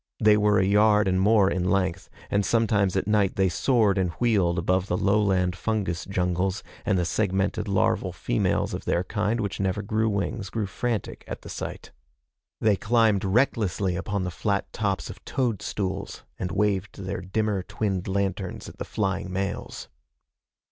They were a yard and more in length, and sometimes at night they soared and wheeled above the lowland fungus jungles, and the segmented larval females of their kind, which never grew wings, grew frantic at the sight. They climbed recklessly upon the flat tops of toadstools and waved their dimmer twinned lanterns at the flying males.